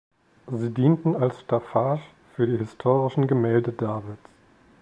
Sie dienten als Staffage für die historischen Gemälde Davids.